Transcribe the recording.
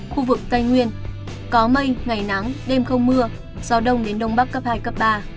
khu vực tây nguyên có mây ngày nắng đêm không mưa gió đông đến đông bắc cấp hai cấp ba